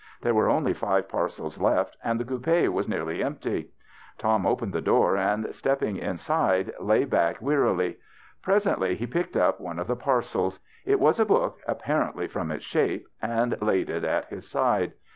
There were only five parcels left and the coupe was nearly empty. Tom opened the door and stepping inside, lay back wearily. Present ly he picked up one of the parcels — it was a book apparently, from its shape — and laid it at his side.